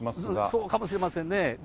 そうかもしれませんね。